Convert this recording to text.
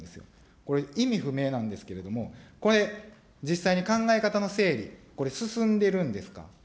これ、意味不明なんですけれども、これ、実際に考え方の整理、これ、進んでいるんですか。